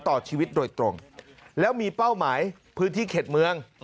ต่อชีวิตโดยตรงแล้วมีเป้าหมายพื้นที่เข็ดเมือง